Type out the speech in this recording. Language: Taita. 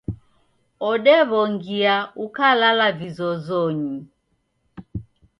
Odewongia ukalala vizozonyi